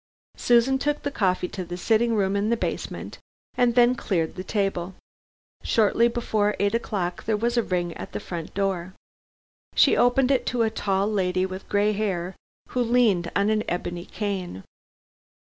Susan took the coffee to the sitting room in the basement and then cleared the table. Shortly before eight o'clock there was a ring at the front door. She opened it to a tall lady, with gray hair, who leaned on an ebony cane.